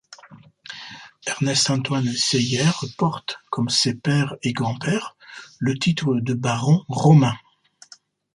Ernest-Antoine Seillière porte, comme ses père et grand-père, le titre de baron romain.